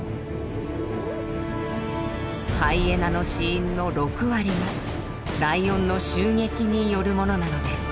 ハイエナの死因の６割がライオンの襲撃によるものなのです。